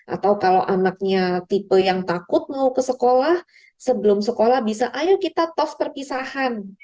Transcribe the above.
atau kalau anaknya tipe yang takut mau ke sekolah sebelum sekolah bisa ayo kita tos perpisahan